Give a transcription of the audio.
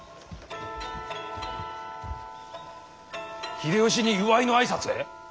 秀吉に祝いの挨拶へ！？